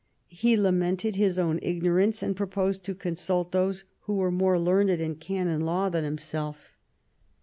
He lamented his own ignorance, and proposed to consult those who were more learned in canon law than himself.